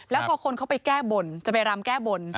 แล้วพอคนเขาไปแก้บนจะไปรำแก้บน